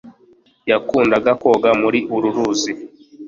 yakundaga koga muri uru ruzi